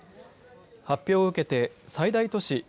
発表を受けて最大都市